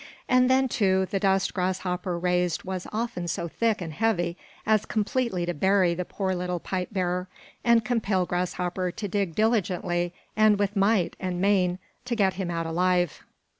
And then, too, the dust Grasshopper raised was often so thick and heavy as completely to bury the poor little pipe bearer, and compel Grasshopper to dig diligently and with might and main to get him out alive.